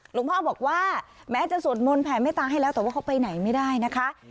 หลวงพ่อบอกว่าแม้จะสวดมนต์แผ่เมตตาให้แล้วแต่ว่าเขาไปไหนไม่ได้นะคะ